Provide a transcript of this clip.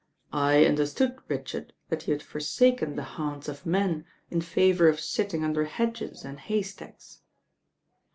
"I understood, Richard, that you had forsaken the haunts of men in favour of sitting under hedges and haystacks."